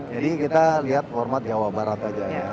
jadi kita lihat format jawa barat aja ya